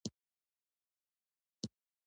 دا پدیدې دروني بڼه غوره کوي